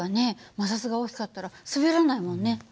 摩擦が大きかったら滑らないもんね。